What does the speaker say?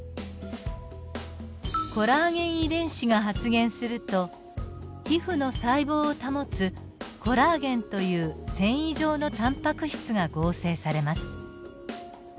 コラーゲン遺伝子が発現すると皮膚の細胞を保つコラーゲンという繊維状のタンパク質が合成されます。